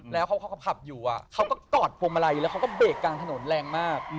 แล้วเขาก็ขับอยู่เขาก็กอดพวงมาลัยแล้วเขาก็เบรกกลางถนนแรงมาก